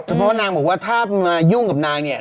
เพราะว่านางบอกว่าถ้ามายุ่งกับนางเนี่ย